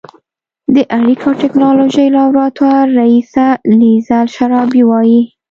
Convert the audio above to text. د اړیکو او ټېکنالوژۍ لابراتوار رییسه لیزل شرابي وايي